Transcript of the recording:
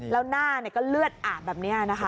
แล้วหน้าก็เลือดอาบแบบนี้นะคะ